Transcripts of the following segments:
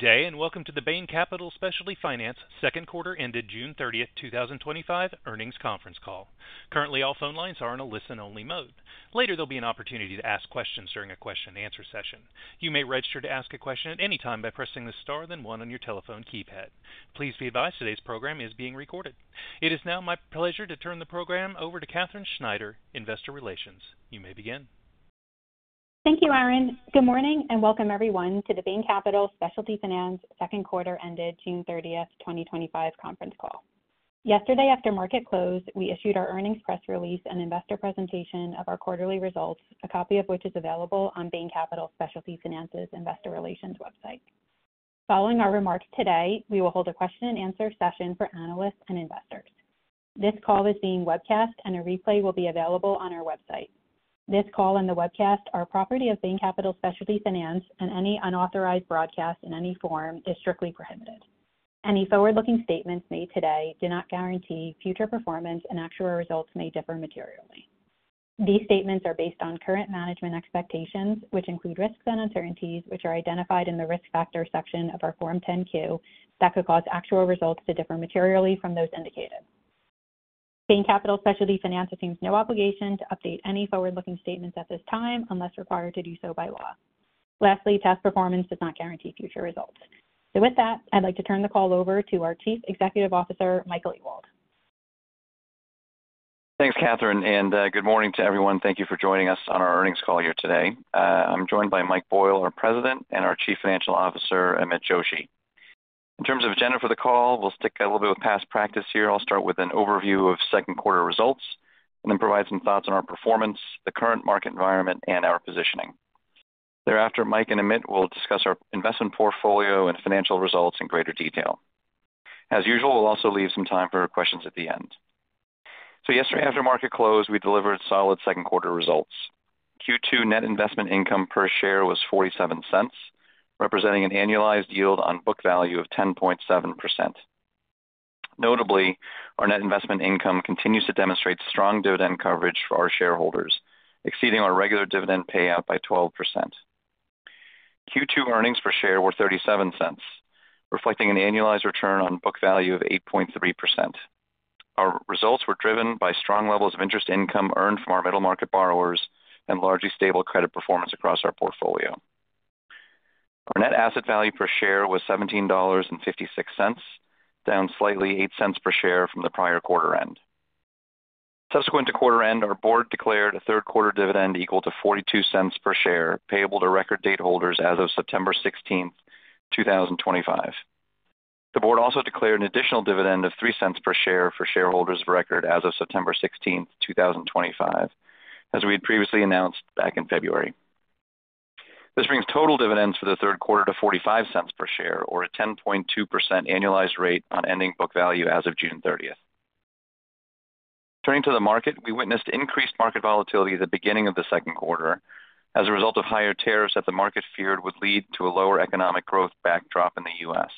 Today, and welcome to the Bain Capital Specialty Finance Second Quarter Ended June 30, 2025 Earnings Conference Call. Currently, all phone lines are in a listen-only mode. Later, there'll be an opportunity to ask questions during a question-and-answer session. You may register to ask a question at any time by pressing the Star then one on your telephone keypad. Please be advised today's program is being recorded. It is now my pleasure to turn the program over to Katherine Schneider, Investor Relations. You may begin. Thank you, Aaron. Good morning and welcome everyone to the Bain Capital Specialty Finance Second Quarter Ended June 30, 2025 Conference Call. Yesterday, after market close, we issued our earnings press release and investor presentation of our quarterly results, a copy of which is available on Bain Capital Specialty Finance's Investor Relations website. Following our remarks today, we will hold a question and answer session for analysts and investors. This call is being webcast and a replay will be available on our website. This call and the webcast are property of Bain Capital Specialty Finance, and any unauthorized broadcast in any form is strictly prohibited. Any forward-looking statements made today do not guarantee future performance, and actual results may differ materially. These statements are based on current management expectations, which include risks and uncertainties which are identified in the risk factor section of our Form 10-Q that could cause actual results to differ materially from those indicated. Bain Capital Specialty Finance assumes no obligation to update any forward-looking statements at this time unless required to do so by law. Lastly, past performance does not guarantee future results. With that, I'd like to turn the call over to our Chief Executive Officer, Michael Ewald. Thanks, Katherine, and good morning to everyone. Thank you for joining us on our earnings call here today. I'm joined by Mike Boyle, our President, and our Chief Financial Officer, Amit Joshi. In terms of agenda for the call, we'll stick a little bit with past practice here. I'll start with an overview of second quarter results and then provide some thoughts on our performance, the current market environment, and our positioning. Thereafter, Mike and Amit will discuss our investment portfolio and financial results in greater detail. As usual, we'll also leave some time for questions at the end. Yesterday, after market close, we delivered solid second quarter results. Q2 net investment income per share was $0.47, representing an annualized yield on book value of 10.7%. Notably, our net investment income continues to demonstrate strong dividend coverage for our shareholders, exceeding our regular dividend payout by 12%. Q2 earnings per share were $0.37, reflecting an annualized return on book value of 8.3%. Our results were driven by strong levels of interest income earned from our middle market borrowers and largely stable credit performance across our portfolio. Our net asset value per share was $17.56, down slightly $0.08 per share from the prior quarter end. Subsequent to quarter end, our board declared a third quarter dividend equal to $0.42 per share, payable to record date holders as of September 16, 2025. The board also declared an additional dividend of $0.03 per share for shareholders of record as of September 16, 2025, as we had previously announced back in February. This brings total dividends for the third quarter to $0.45 per share, or a 10.2% annualized rate on ending book value as of June 30. Turning to the market, we witnessed increased market volatility at the beginning of the second quarter as a result of higher tariffs that the market feared would lead to a lower economic growth backdrop in the U.S.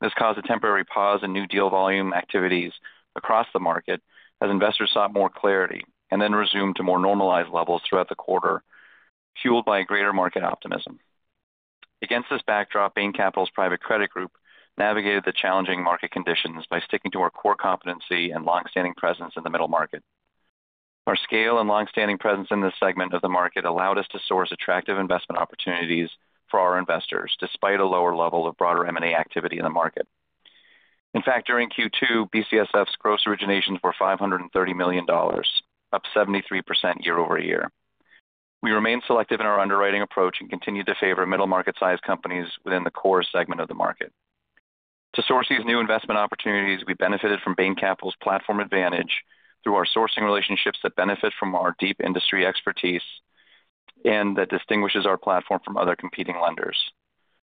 This caused a temporary pause in new deal volume activities across the market as investors sought more clarity and then resumed to more normalized levels throughout the quarter, fueled by greater market optimism. Against this backdrop, Bain Capital's private credit group navigated the challenging market conditions by sticking to our core competency and longstanding presence in the middle market. Our scale and longstanding presence in this segment of the market allowed us to source attractive investment opportunities for our investors despite a lower level of broader M&A activity in the market. In fact, during Q2, BCSF's gross originations were $530 million, up 73% year-over-year. We remained selective in our underwriting approach and continued to favor middle market size companies within the core segment of the market. To source these new investment opportunities, we benefited from Bain Capital's platform advantage through our sourcing relationships that benefit from our deep industry expertise and that distinguishes our platform from other competing lenders.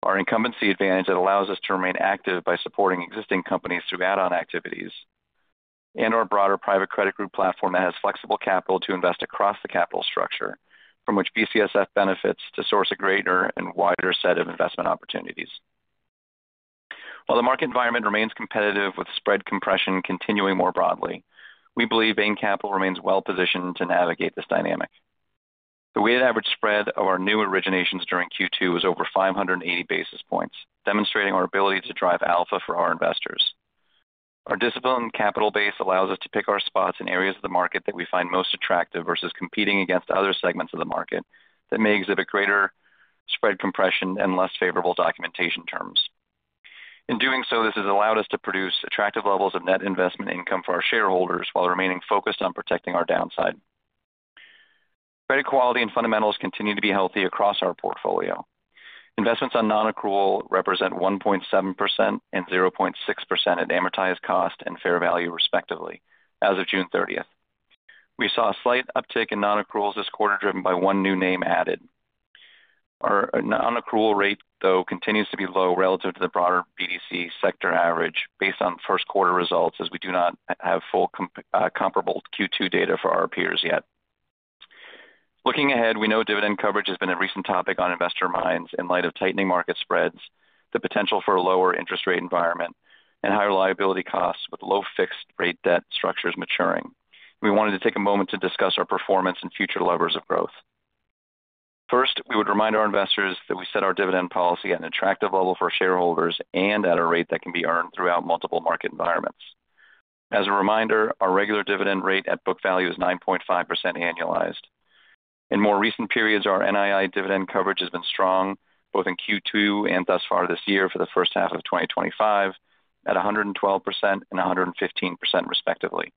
Our incumbency advantage allows us to remain active by supporting existing companies through add-on activities and our broader private credit group platform that has flexible capital to invest across the capital structure, from which BCSF benefits to source a greater and wider set of investment opportunities. While the market environment remains competitive with spread compression continuing more broadly, we believe Bain Capital remains well positioned to navigate this dynamic. The weighted average spread of our new originations during Q2 was over 580 basis points, demonstrating our ability to drive alpha for our investors. Our disciplined capital base allows us to pick our spots in areas of the market that we find most attractive versus competing against other segments of the market that may exhibit greater spread compression and less favorable documentation terms. In doing so, this has allowed us to produce attractive levels of net investment income for our shareholders while remaining focused on protecting our downside. Credit quality and fundamentals continue to be healthy across our portfolio. Investments on non-accrual represent 1.7% and 0.6% at amortized cost and fair value, respectively, as of June 30th. We saw a slight uptick in non-accruals this quarter, driven by one new name added. Our non-accrual rate, though, continues to be low relative to the broader BDC sector average based on first quarter results, as we do not have full comparable Q2 data for our peers yet. Looking ahead, we know dividend coverage has been a recent topic on investor minds in light of tightening market spreads, the potential for a lower interest rate environment, and higher liability costs with low fixed-rate debt structures maturing. We wanted to take a moment to discuss our performance and future levers of growth. First, we would remind our investors that we set our dividend policy at an attractive level for shareholders and at a rate that can be earned throughout multiple market environments. As a reminder, our regular dividend rate at book value is 9.5% annualized. In more recent periods, our NII dividend coverage has been strong, both in Q2 and thus far this year for the first half of 2025, at 112% and 115%, respectively.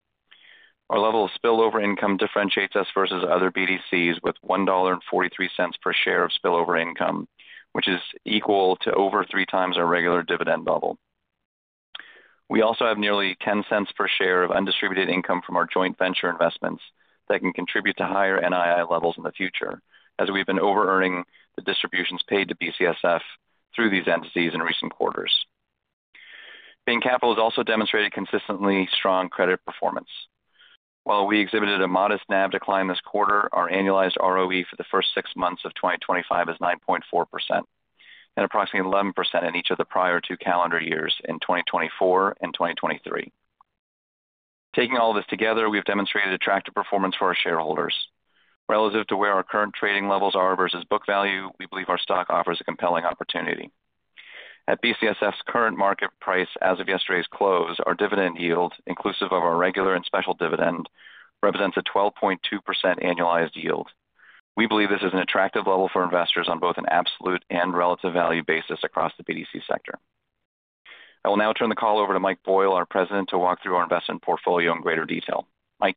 Our level of spillover income differentiates us versus other BDCs with $1.43 per share of spillover income, which is equal to over 3x our regular dividend level. We also have nearly $0.10 per share of undistributed income from our joint venture investments that can contribute to higher NII levels in the future, as we've been over-earning the distributions paid to BCSF through these entities in recent quarters. Bain Capital has also demonstrated consistently strong credit performance. While we exhibited a modest NAV decline this quarter, our annualized ROE for the first six months of 2025 is 9.4% and approximately 11% in each of the prior two calendar years in 2024 and 2023. Taking all of this together, we've demonstrated attractive performance for our shareholders. Relative to where our current trading levels are versus book value, we believe our stock offers a compelling opportunity. At BCSF's current market price as of yesterday's close, our dividend yield, inclusive of our regular and special dividend, represents a 12.2% annualized yield. We believe this is an attractive level for investors on both an absolute and relative value basis across the BDC sector. I will now turn the call over to Mike Boyle, our President, to walk through our investment portfolio in greater detail. Mike.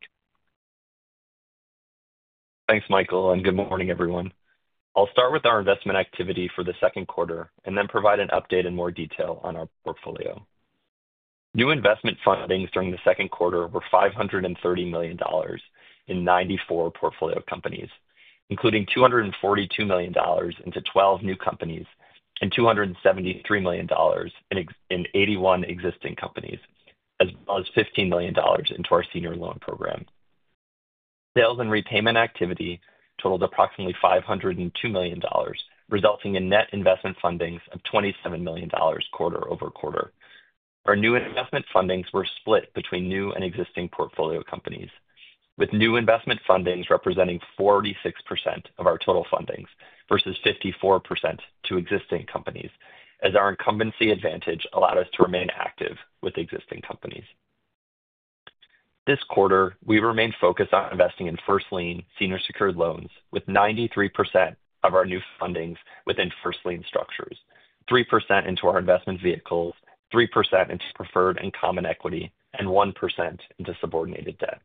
Thanks, Michael, and good morning, everyone. I'll start with our investment activity for the second quarter and then provide an update in more detail on our portfolio. New investment fundings during the second quarter were $530 million in 94 portfolio companies, including $242 million into 12 new companies and $273 million in 81 existing companies, as well as $15 million into our Senior Loan Program. Sales and repayment activity totaled approximately $502 million, resulting in net investment fundings of $27 million quarter-over-quarter. Our new investment fundings were split between new and existing portfolio companies, with new investment fundings representing 46% of our total fundings versus 54% to existing companies, as our incumbency advantage allowed us to remain active with existing companies. This quarter, we've remained focused on investing in first lien senior secured loans, with 93% of our new fundings within first lien structures, 3% into our investment vehicles, 3% into preferred and common equity, and 1% into subordinated debt.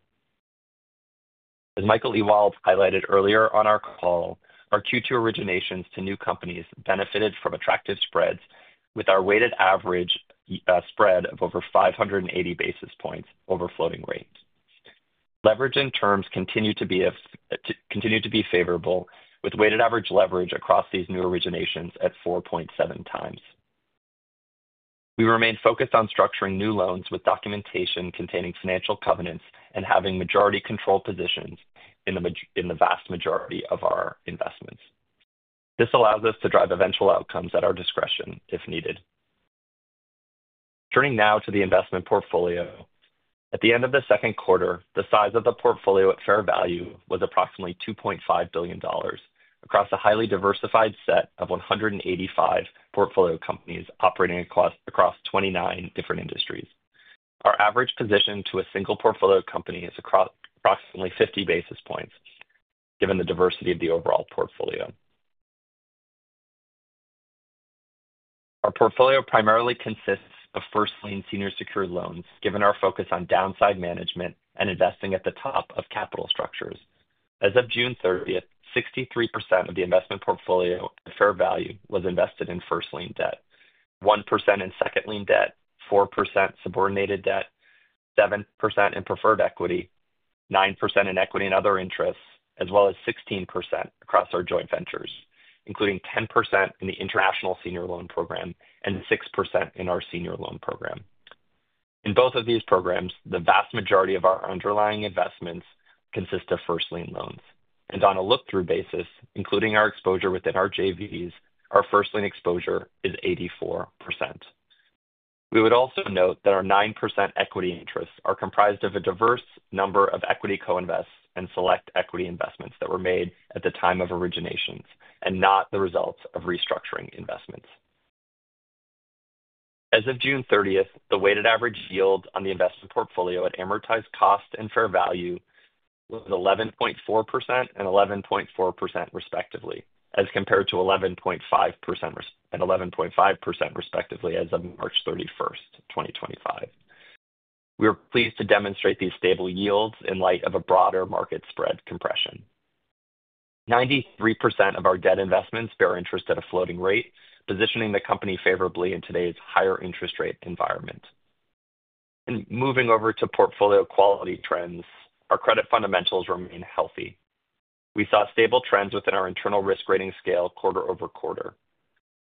As Michael Ewald highlighted earlier on our call, our Q2 originations to new companies benefited from attractive spreads with our weighted average spread of over 580 basis points over floating rate. Leveraging terms continue to be favorable, with weighted average leverage across these new originations at 4.7X. We remain focused on structuring new loans with documentation containing financial covenants and having majority control positions in the vast majority of our investments. This allows us to drive eventual outcomes at our discretion if needed. Turning now to the investment portfolio. At the end of the second quarter, the size of the portfolio at fair value was approximately $2.5 billion across a highly diversified set of 185 portfolio companies operating across 29 different industries. Our average position to a single portfolio company is approximately 50 basis points, given the diversity of the overall portfolio. Our portfolio primarily consists of first lien senior secured loans, given our focus on downside management and investing at the top of capital structures. As of June 30th, 63% of the investment portfolio at fair value was invested in first lien debt, 1% in second lien debt, 4% subordinated debt, 7% in preferred equity, 9% in equity and other interests, as well as 16% across our joint ventures, including 10% in the International Senior Loan Program and 6% in our Senior Loan Program. In both of these programs, the vast majority of our underlying investments consist of first lien loans. On a look-through basis, including our exposure within our joint ventures, our first lien exposure is 84%. We would also note that our 9% equity interests are comprised of a diverse number of equity co-invests and select equity investments that were made at the time of originations and not the results of restructuring investments. As of June 30th, the weighted average yield on the investment portfolio at amortized cost and fair value was 11.4% and 11.4%, respectively, as compared to 11.5% and 11.5%, respectively, as of March 31st, 2023. We are pleased to demonstrate these stable yields in light of a broader market spread compression. 93% of our debt investments bear interest at a floating rate, positioning the company favorably in today's higher interest rate environment. Moving over to portfolio quality trends, our credit fundamentals remain healthy. We saw stable trends within our internal risk rating scale quarter-over-quarter.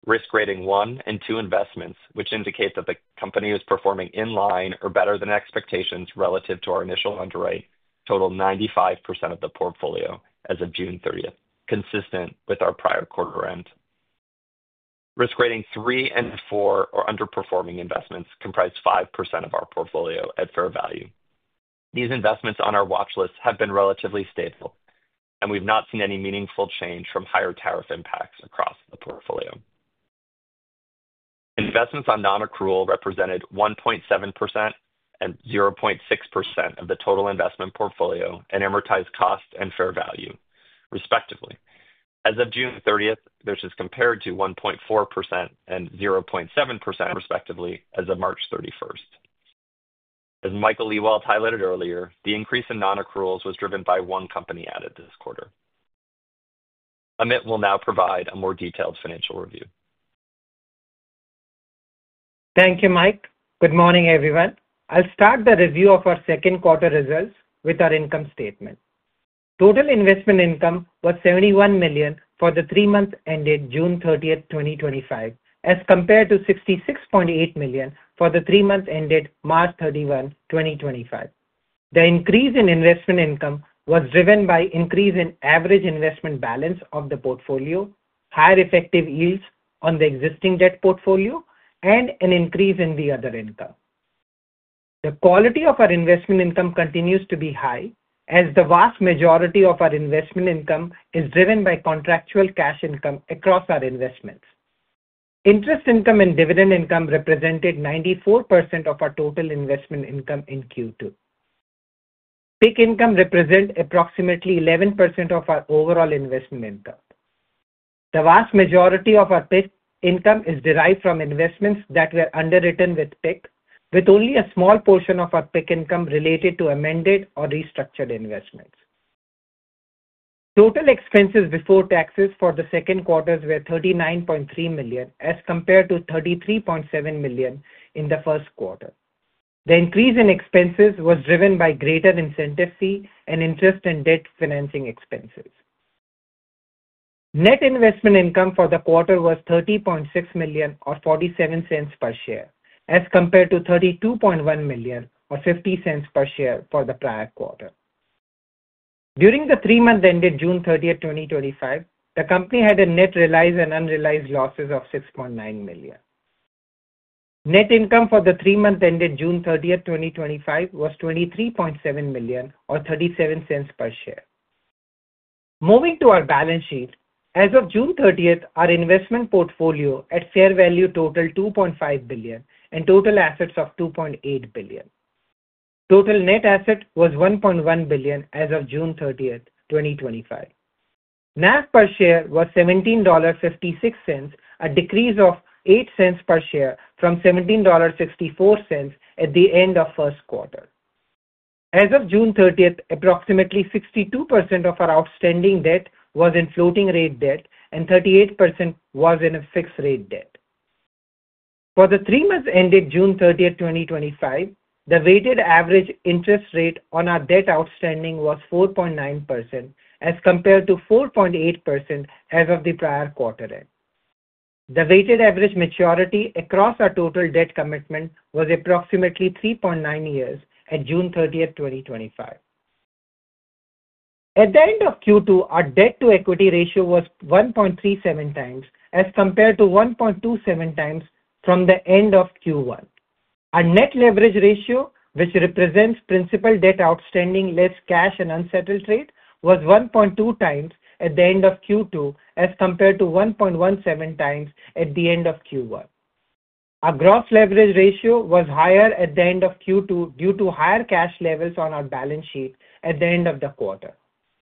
Risk rating one and two investments, which indicate that the company is performing in line or better than expectations relative to our initial underwrite, total 95% of the portfolio as of June 30th, consistent with our prior quarter end. Risk rating three and four or underperforming investments comprise 5% of our portfolio at fair value. These investments on our watchlist have been relatively stable, and we've not seen any meaningful change from higher tariff impacts across the portfolio. Investments on non-accrual represented 1.7% and 0.6% of the total investment portfolio at amortized cost and fair value, respectively. As of June 30th, this is compared to 1.4% and 0.7%, respectively, as of March 31st. As Michael Ewald highlighted earlier, the increase in non-accruals was driven by one company added this quarter. Amit will now provide a more detailed financial review. Thank you, Mike. Good morning, everyone. I'll start the review of our second quarter results with our income statement. Total investment income was $71 million for the three months ended June 30, 2025, as compared to $66.8 million for the three months ended March 31, 2025. The increase in investment income was driven by an increase in average investment balance of the portfolio, higher effective yields on the existing debt portfolio, and an increase in the other income. The quality of our investment income continues to be high, as the vast majority of our investment income is driven by contractual cash income across our investments. Interest income and dividend income represented 94% of our total investment income in Q2. PIK income represents approximately 11% of our overall investment income. The vast majority of our PIK income is derived from investments that were underwritten with PIK, with only a small portion of our PIK income related to amended or restructured investments. Total expenses before taxes for the second quarter were $39.3 million, as compared to $33.7 million in the first quarter. The increase in expenses was driven by greater incentive fees and interest in debt financing expenses. Net investment income for the quarter was $30.6 million or $0.47 per share, as compared to $32.1 million or $0.50 per share for the prior quarter. During the three months ended June 30, 2025, the company had net realized and unrealized losses of $6.9 million. Net income for the three months ended June 30, 2025 was $23.7 million or $0.37 per share. Moving to our balance sheet, as of June 30, our investment portfolio at fair value totaled $2.5 billion and total assets of $2.8 billion. Total net assets were $1.1 billion as of June 30, 2025. NAV per share was $17.56, a decrease of $0.08 per share from $17.64 at the end of the first quarter. As of June 30, approximately 62% of our outstanding debt was in floating rate debt and 38% was in fixed rate debt. For the three months ended June 30, 2025, the weighted average interest rate on our debt outstanding was 4.9%, as compared to 4.8% as of the prior quarter end. The weighted average maturity across our total debt commitment was approximately 3.9 years at June 30, 2025. At the end of Q2, our debt-to-equity ratio was 1.37x, as compared to 1.27x from the end of Q1. Our net leverage ratio, which represents principal debt outstanding less cash and unsettled trades, was 1.2x at the end of Q2, as compared to 1.17x at the end of Q1. Our gross leverage ratio was higher at the end of Q2 due to higher cash levels on our balance sheet at the end of the quarter.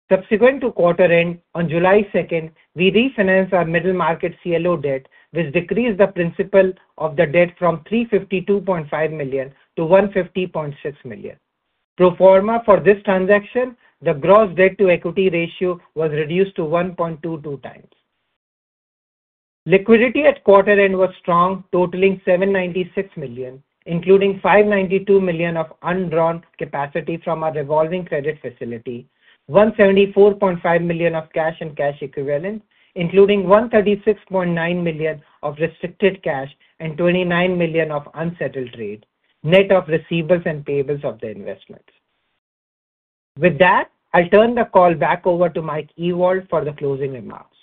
Subsequent to quarter end on July 2, we refinanced our middle market CLO debt, which decreased the principal of the debt from $352.5 million-$150.6 million. Pro forma for this transaction, the gross debt-to-equity ratio was reduced to 1.22x. Liquidity at quarter end was strong, totaling $796 million, including $592 million of undrawn capacity from our revolving credit facility, $174.5 million of cash and cash equivalent, including $136.9 million of restricted cash and $29 million of unsettled trades, net of receivables and payables of the investments. With that, I'll turn the call back over to Mike Ewald for the closing remarks.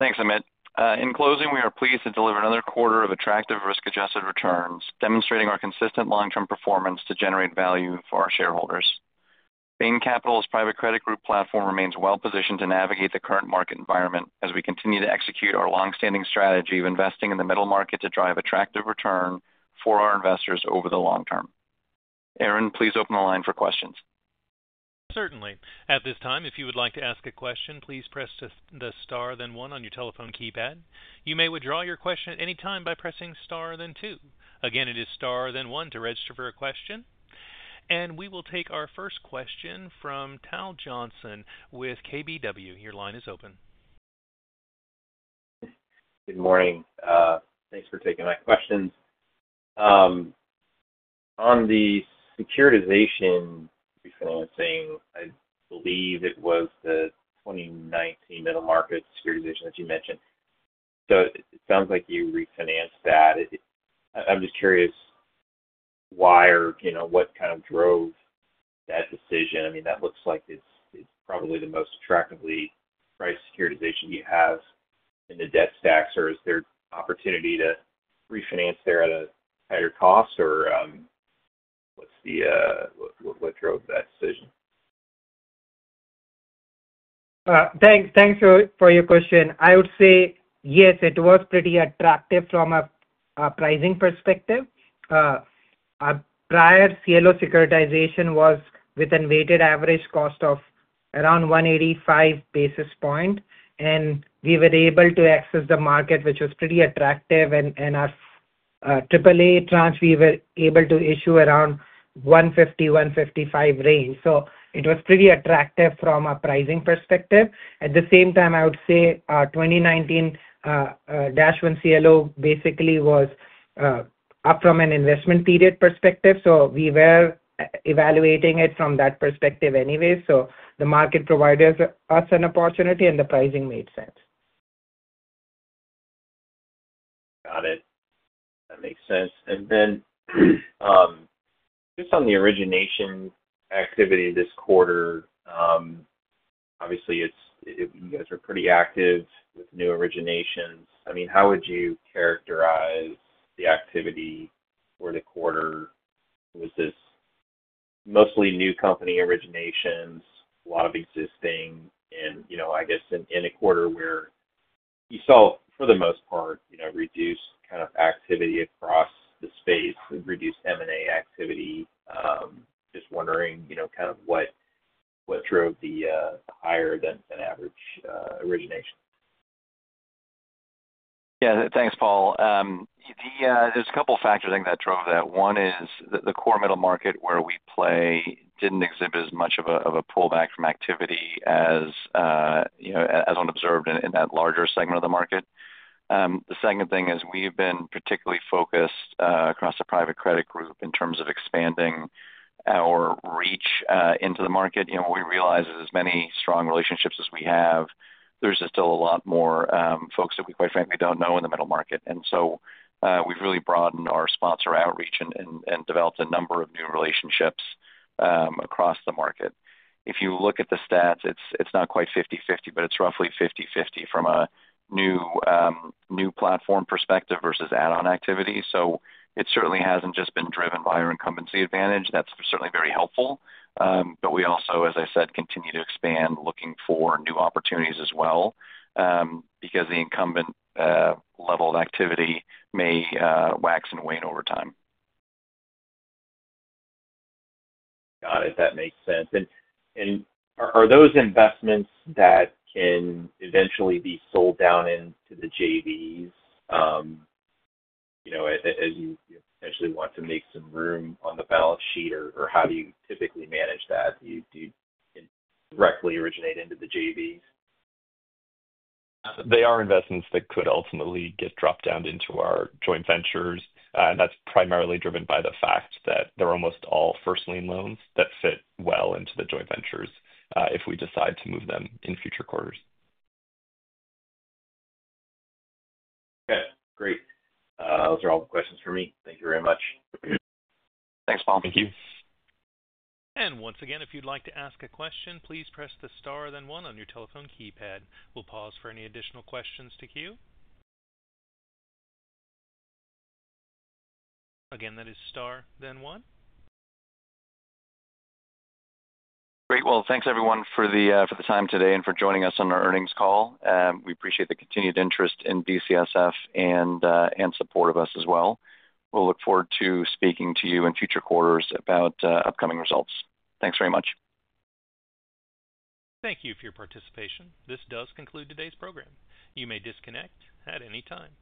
Thanks, Amit. In closing, we are pleased to deliver another quarter of attractive risk-adjusted returns, demonstrating our consistent long-term performance to generate value for our shareholders. Bain Capital's private credit group platform remains well positioned to navigate the current market environment as we continue to execute our longstanding strategy of investing in the middle market to drive attractive return for our investors over the long term. Aaron, please open the line for questions. Certainly. At this time, if you would like to ask a question, please press the Star, then one on your telephone keypad. You may withdraw your question at any time by pressing Star, then two. Again, it is Sar, then one to register for a question. We will take our first question from Paul Johnson with KBW. Your line is open. Good morning. Thanks for taking my question. On the securitization refinancing, I believe it was the 2019-1 CLO that you mentioned. It sounds like you refinanced that. I'm just curious why or what kind of drove that decision. I mean, that looks like it's probably the most attractively priced securitization you have in the debt stacks. Is there an opportunity to refinance there at a higher cost? What drove that decision? Thanks. Thanks for your question. I would say, yes, it was pretty attractive from a pricing perspective. Our prior CLO securitization was with a weighted average cost of around 185 basis points, and we were able to access the market, which was pretty attractive. Our AAA tranche, we were able to issue around $150 million-$155 million range. It was pretty attractive from a pricing perspective. At the same time, I would say our 2019-1 CLO basically was up from an investment period perspective. We were evaluating it from that perspective anyway. The market provided us an opportunity, and the pricing made sense. Got it. That makes sense. Just on the origination activity this quarter, obviously, you guys were pretty active with new originations. How would you characterize the activity for the quarter? Was this mostly new company originations, a lot of existing, and in a quarter where you saw, for the most part, reduced kind of activity across the space and reduced M&A activity? Just wondering what drove the higher than average origination? Yeah, thanks, Paul. There are a couple of factors I think that drove that. One is the core middle market where we play didn't exhibit as much of a pullback from activity as, you know, as one observed in that larger segment of the market. The second thing is we've been particularly focused across the private credit group in terms of expanding our reach into the market. You know, what we realize is as many strong relationships as we have, there's just still a lot more folks that we quite frankly don't know in the middle market. We've really broadened our sponsor outreach and developed a number of new relationships across the market. If you look at the stats, it's not quite 50/50, but it's roughly 50/50 from a new platform perspective versus add-on activity. It certainly hasn't just been driven by our incumbency advantage. That's certainly very helpful. We also, as I said, continue to expand looking for new opportunities as well because the incumbent level of activity may wax and wane over time. Got it. That makes sense. Are those investments that can eventually be sold down into the JV? As you potentially want to make some room on the balance sheet, how do you typically manage that? Do you directly originate into the JV? They are investments that could ultimately get dropped down into our joint ventures. That's primarily driven by the fact that they're almost all first lien debt that fit well into the joint ventures if we decide to move them in future quarters. Okay, great. Those are all the questions for me. Thank you very much. Thanks, Paul. Thank you. If you'd like to ask a question, please press the Star, then one on your telephone keypad. We'll pause for any additional questions to queue. Again, that is Star, then one. Great. Thanks everyone for the time today and for joining us on our earnings call. We appreciate the continued interest in BCSF and support of us as well. We'll look forward to speaking to you in future quarters about upcoming results. Thanks very much. Thank you for your participation. This does conclude today's program. You may disconnect at any time.